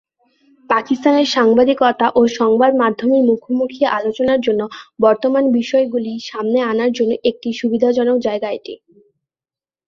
পাকিস্তানের সাংবাদিকতা ও সংবাদ মাধ্যমের মুখোমুখি আলোচনার জন্য বর্তমান বিষয়গুলি সামনে আনার জন্য একটি সুবিধাজনক জায়গা এটি।